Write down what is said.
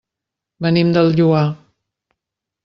Venim del Lloar.